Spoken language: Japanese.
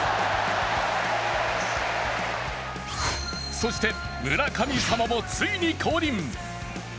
そして村神様もついに降臨。